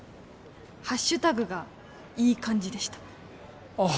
ハッシュタグがいい感じでしたああ